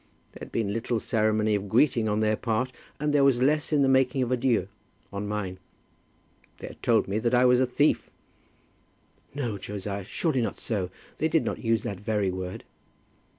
There had been little ceremony of greeting on their part, and there was less in the making of adieux on mine. They had told me that I was a thief " "No, Josiah, surely not so? They did not use that very word?"